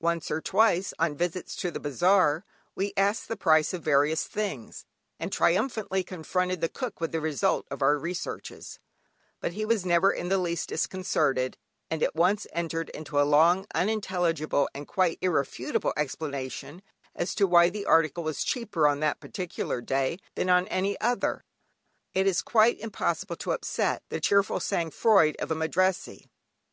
Once or twice, on visits to the bazaar, we asked the price of various things, and triumphantly confronted the cook with the result of our researches, but he was never in the least disconcerted, and at once entered into a long, unintelligible, and quite irrefutable explanation as to why the article was cheaper on that particular day than on any other. It is quite impossible to upset the cheerful sang froid of a Madrassee.